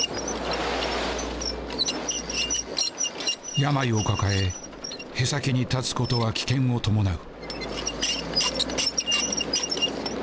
病を抱え舳先に立つことは危険を伴う。